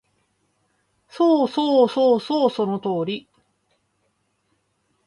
そうそうそうそう、その通り